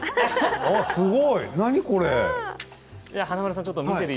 すごい。